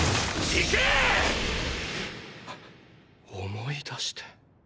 “思い出して”？